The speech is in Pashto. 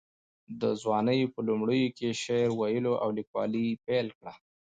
د ځوانۍ په لومړیو کې یې په شعر ویلو او لیکوالۍ پیل وکړ.